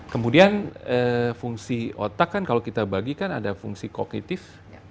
kemudian fungsi otak kan kalau kita bagikan ada fungsi kognitif